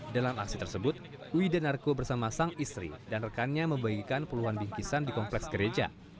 dalam aksi tersebut widanarko bersama sang istri dan rekannya membagikan puluhan bingkisan di kompleks gereja